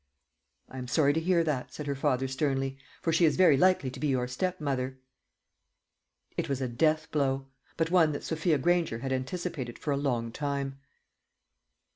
"I am sorry to hear that," said her father sternly; "for she is very likely to be your stepmother." It was a death blow, but one that Sophia Granger had anticipated for a long time.